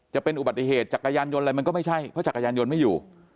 จะเป็นอุบัติเหตุจักรยานยนต์อะไรมันก็ไม่ใช่เพราะจักรยานยนต์ไม่อยู่